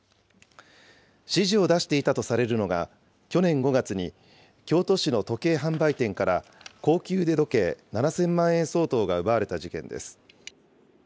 指示を出していたとされるのが、去年５月に、京都市の時計販売店から高級腕時計７０００万円相当が奪われた事件です。